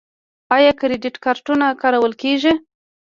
آیا کریډیټ کارتونه کارول کیږي؟